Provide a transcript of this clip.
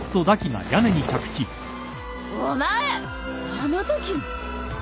あのときの。